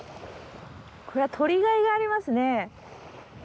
これは撮りがいがありますね。